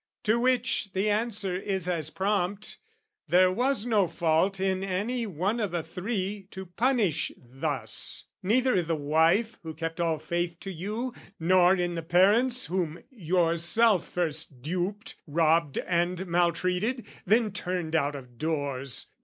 To which The answer is as prompt "There was no fault "In any one o' the three to punish thus: "Neither i' the wife, who kept all faith to you, "Nor in the parents, whom yourself first duped, "Robbed and maltreated, then turned out of doors.